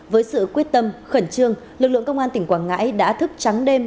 với sự quyết tâm khẩn trương lực lượng công an tỉnh quảng ngãi đã thức trắng đêm